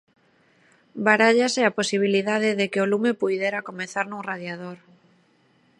Barállase a posibilidade de que o lume puidera comezar nun radiador.